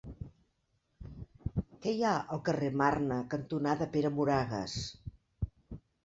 Què hi ha al carrer Marne cantonada Pere Moragues?